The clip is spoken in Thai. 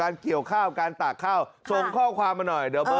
รถเกี่ยวทัน